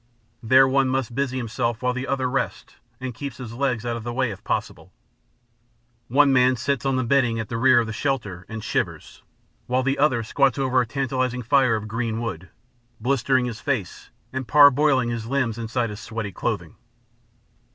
There one must busy himself while the other rests and keeps his legs out of the way if possible. One man sits on the bedding at the rear of the shelter, and shivers, while the other squats over a tantalizing fire of green wood, blistering his face and parboiling his limbs inside his sweaty clothing.